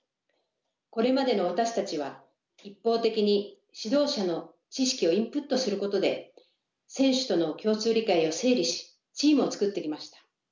これまでの私たちは一方的に指導者の知識をインプットすることで選手との共通理解を整理しチームを作ってきました。